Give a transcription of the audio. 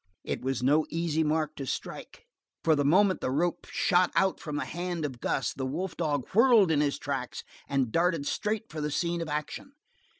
It was no easy mark to strike, for the moment the rope shot out from the hand of Gus, the wolf dog whirled in his tracks and darted straight for the scene of action.